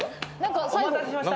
お待たせしました。